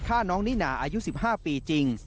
ฆ่าน้องนิน่าอายุ๑๕ปีจริง